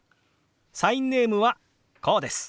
サインネームはこうです。